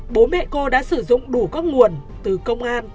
bố mẹ cô đã sử dụng đủ các nguồn từ công an